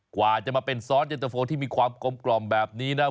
กว่าจะมาเป็นซอสเย็นตะโฟที่มีความกลมแบบนี้นะ